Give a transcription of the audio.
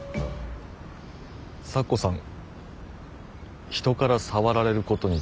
咲子さん人から触られることに抵抗は？